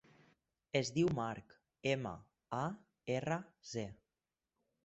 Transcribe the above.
Es diu Marc: ema, a, erra, ce.